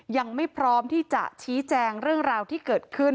ยังไม่พร้อมที่จะชี้แจงเรื่องราวที่เกิดขึ้น